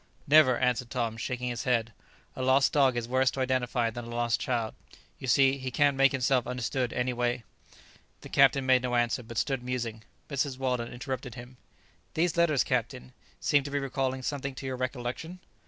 "Never," answered Tom, shaking his head; "a lost dog is worse to identify than a lost child; you see, he can't make himself understood any way." The captain made no answer, but stood musing; Mrs. Weldon interrupted him. "These letters, captain, seem to be recalling something to your recollection.